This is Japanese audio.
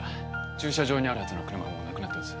駐車場にあるはずの車もなくなってます。